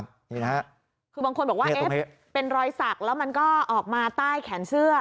บางคนบอกว่าเป็นรอยสักแล้วมันก็ออกมาใต้แขนเสื้อ